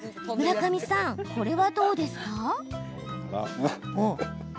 村上さん、これはどうですか？